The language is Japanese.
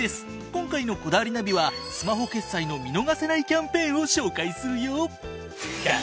今回の『こだわりナビ』はスマホ決済の見逃せないキャンペーンを紹介するよ。